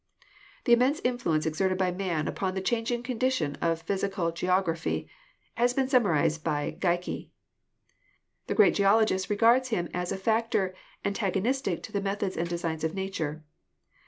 The immense influence exerted by man upon the chang ing condition of Physical Geography has been summarized by Geikie. The great geologist regards him as a factor antagonistic to the methods and designs of Nature.